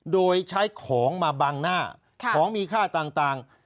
โดยใช้ของมาบังหน้าของมีค่าต่าง